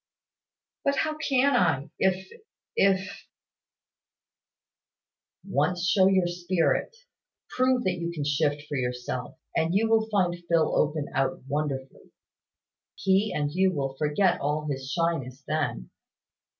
"But how can I, if if " "Once show your spirit, prove that you can shift for yourself, and you will find Phil open out wonderfully. He and you will forget all his shyness then.